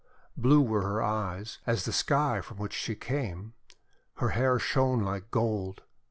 Blue were her eyes, as the sky from which she came. Her hair shone like gold.